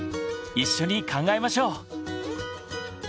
一緒に考えましょう！